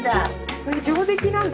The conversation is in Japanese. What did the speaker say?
これ上出来なんだ？